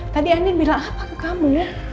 tadi andien bilang apa ke kamu